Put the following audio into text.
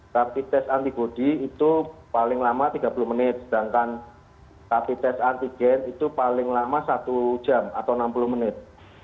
rapid test antibody itu paling lama tiga puluh menit sedangkan rapid test antigen itu paling lama satu jam atau enam puluh menit